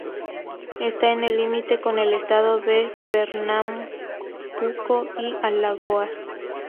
Está en el límite con el estado de Pernambuco y Alagoas.